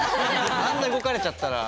あんな動かれちゃったら。